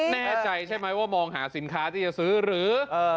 แน่ใจใช่ไหมว่ามองหาสินค้าที่จะซื้อหรือ